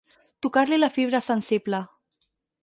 Tocar-li la fibra sensible.